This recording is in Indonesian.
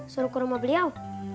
suruh ke rumah beliau